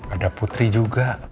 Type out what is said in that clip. ada putri juga